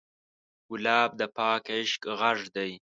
ګلاب د پاک عشق غږ دی.